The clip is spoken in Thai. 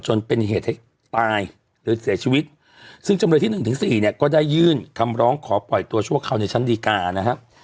จนเป็นเหตุให้ตายหรือเสียชีวิตซึ่งจำเลยที่หนึ่งถึงสี่เนี่ยก็ได้ยื่นคำร้องขอปล่อยตัวชั่วคราวในชั้นดีการนะครับ